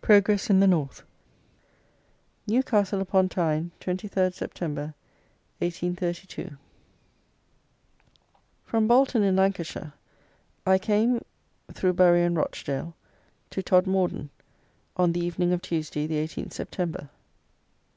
PROGRESS IN THE NORTH. Newcastle upon Tyne, 23rd September, 1832. From Bolton, in Lancashire, I came, through Bury and Rochdale, to Todmorden, on the evening of Tuesday, the 18th September.